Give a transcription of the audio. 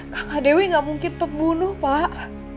kakak dewi gak mungkin pembunuh pak